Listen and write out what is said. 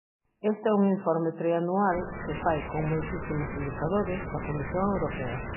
Este é un informe trianual, que fai con moitísimos indicadores, a Comisión Europea.